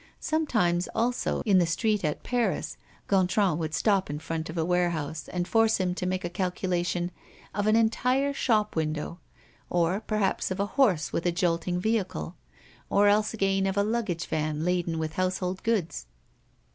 Sometimes also, in the street at Paris, Gontran would stop in front of a warehouse and force him to make a calculation of an entire shop window, or perhaps of a horse with a jolting vehicle, or else again of a luggage van laden with household goods.